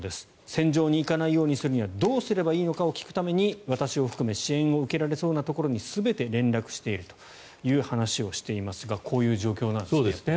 戦場に行かないようにするにはどうすればいいのか聞くため私を含め支援を受けられそうなところに全て連絡しているという話をしていますがこういう状況なんですね。